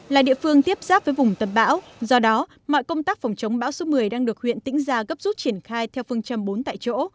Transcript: là địa phương tiếp xác với vùng tầm bão do đó mọi công tác phòng chống bão số một mươi đang được huyện tỉnh ra gấp rút triển khai theo phương châm bốn tại chỗ